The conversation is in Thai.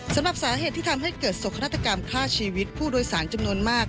สำหรับสาเหตุที่ทำให้เกิดสกฆาตกรรมฆ่าชีวิตผู้โดยสารจำนวนมาก